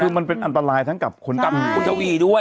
คือมันเป็นอันตรายทั้งกับคุณทวีด้วย